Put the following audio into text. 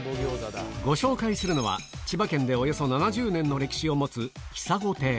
ご紹介するのは、千葉県でおよそ７０年の歴史を持つひさご亭。